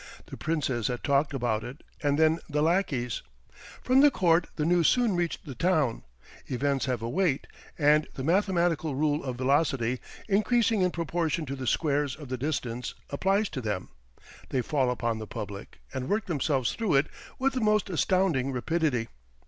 The princes had talked about it, and then the lackeys. From the Court the news soon reached the town. Events have a weight, and the mathematical rule of velocity, increasing in proportion to the squares of the distance, applies to them. They fall upon the public, and work themselves through it with the most astounding rapidity.